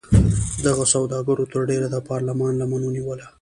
دغو سوداګرو تر ډېره د پارلمان لمن ونیوله.